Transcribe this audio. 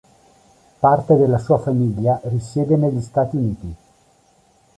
Parte della sua famiglia risiede negli Stati Uniti.